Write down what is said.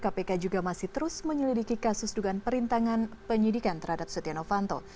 kpk juga masih terus menyelidiki kasus dugaan perintangan penyidikan terhadap setia novanto